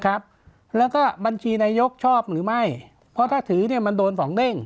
ครับแล้วก็บัญชีนายกชอบหรือไม่เพราะถ้าถือเนี่ยมันโดนสองเด้ง